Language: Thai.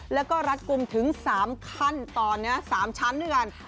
แล้วก็รัดกลุ่มถึง๓ขั้นตอน๓ชั้นด้วยกัน